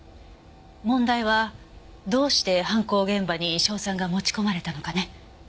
問題はどうして犯行現場に硝酸が持ち込まれたのかね。